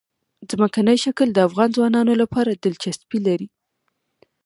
ځمکنی شکل د افغان ځوانانو لپاره دلچسپي لري.